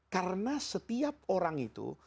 karena setiap orang itu